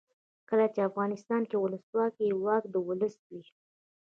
کله چې افغانستان کې ولسواکي وي واک د ولس وي.